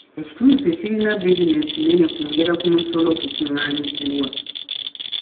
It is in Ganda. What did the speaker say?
Ekitundu tekirina bizinensi nnene kwongera ku musolo ogukungaanyizibwa.